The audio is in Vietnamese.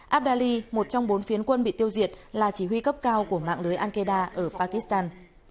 abdali một trong bốn phiến quân bị tiêu diệt là chỉ huy cấp cao của mạng lưới al qaeda ở pakistan